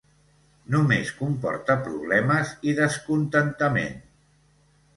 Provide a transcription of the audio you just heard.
Només comporta problemes i descontentament.